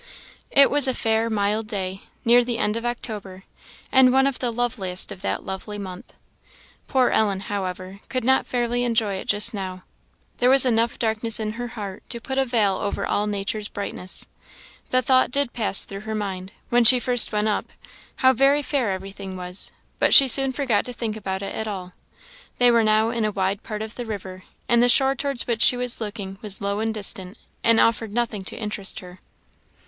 It was a fair, mild day, near the end of October, and one of the loveliest of that lovely month. Poor Ellen, however, could not fairly enjoy it just now. There was enough darkness in her heart to put a veil over all nature's brightness. The thought did pass through her mind, when she first went up, how very fair everything was; but she soon forgot to think about it at all. They were now in a wide part of the river, and the shore towards which she was looking was low and distant, and offered nothing to interest her.